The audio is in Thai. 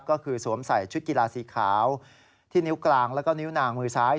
ก็คือสวมใส่ชุดกีฬาสีขาวที่นิ้วกลางแล้วก็นิ้วนางมือซ้าย